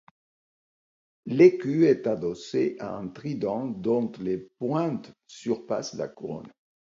L’écu est adossé à un trident dont les pointes surpassent la couronne.